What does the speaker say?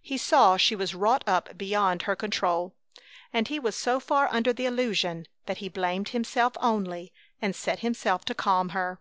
He saw she was wrought up beyond her own control, and he was so far under the illusion that he blamed himself only, and set himself to calm her.